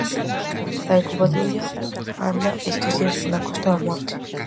A ecopatrulla anda estes días pola Costa da Morte.